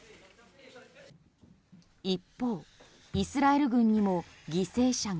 一方、イスラエル軍にも犠牲者が。